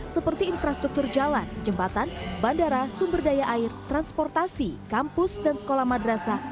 seperti infrastruktur jalan jembatan bandara sumber daya air transportasi kampus dan sekolah madrasah